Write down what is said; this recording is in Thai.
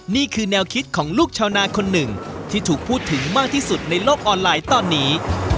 นี่คือแนวคิดของลูกชาวนาคนหนึ่งที่ถูกพูดถึงมากที่สุดในโลกออนไลน์ตอนนี้